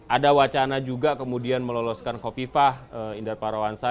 ada wacana juga kemudian meloloskan kofifah indar parawansa